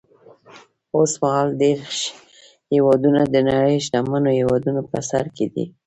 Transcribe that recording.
اوس مهال دېرش هېوادونه د نړۍ شتمنو هېوادونو په سر کې دي.